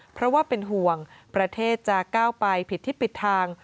เพราะว่าเป็นห่วงประเทศจะก้าวไปผิดทิศปิดทาง